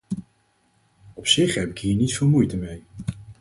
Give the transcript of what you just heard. Op zich heb ik hier niet veel moeite mee.